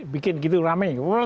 bikin gitu rame